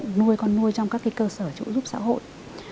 nhận nuôi con nuôi trong các cái cơ sở trụ giúp xã hội